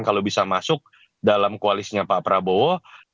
kalau bisa masuk dalam koalisinya pak prabowo